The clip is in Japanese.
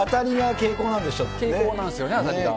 これ、蛍光なんですよね、当たりが。